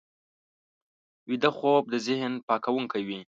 ویده خوب د ذهن پاکوونکی وي